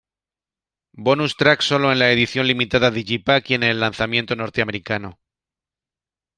Bonus Track sólo en la edición limitada digipak y en el lanzamiento norteamericano.